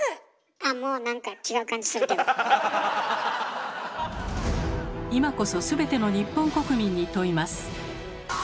あもうなんか今こそ全ての日本国民に問います。